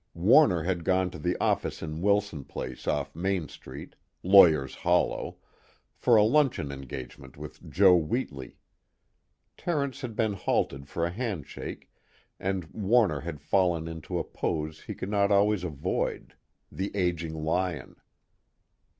Warner had gone to the office on Wilson Place off Main Street "Lawyers' Hollow" for a luncheon engagement with Joe Wheatley. Terence had been halted for a handshake, and Warner had fallen into a pose he could not always avoid: the aging lion.